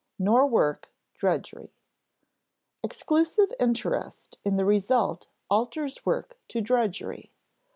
[Sidenote: nor work, drudgery] Exclusive interest in the result alters work to drudgery.